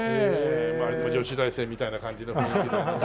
女子大生みたいな感じの雰囲気で。